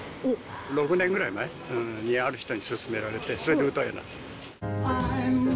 ６年ぐらい前にある人に勧められて、それで歌うようになった。